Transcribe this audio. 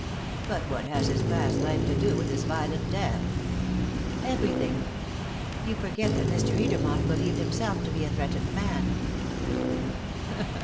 "But what has his past life to do with his violent death?" "Everything. You forget that Mr. Edermont believed himself to be a threatened man."